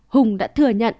hùng đã thừa nhận